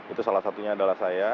itu salah satunya adalah saya